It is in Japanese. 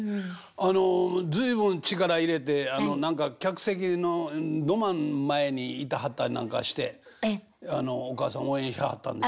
随分力入れて客席のど真ん前にいてはったりなんかしてお母さん応援しはったんでしょ？